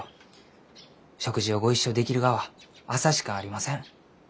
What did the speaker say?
食事をご一緒できるがは朝しかありません。